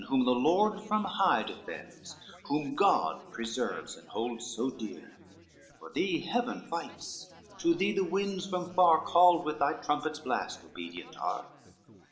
whom the Lord from high Defends, whom God preserves, and holds so dear; For thee heaven fights, to thee the winds, from far, Called with thy trumpet's blast, obedient are!